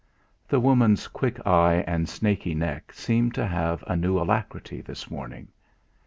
The woman's quick eye and snaky neck seemed to have a new alacrity this morning.